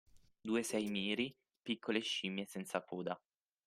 Due saimiri, piccole scimmie senza coda